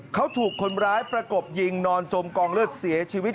เขาถูกคนร้ายประกบยิงนอนจมกองเลือดเสียชีวิต